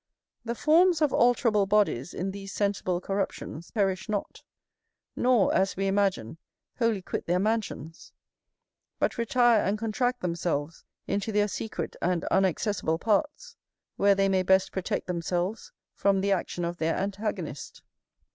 The forms of alterable bodies in these sensible corruptions perish not; nor, as we imagine, wholly quit their mansions; but retire and contract themselves into their secret and unaccessible parts; where they may best protect themselves from the action of their antagonist.